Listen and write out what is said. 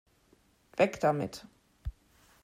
Weg damit!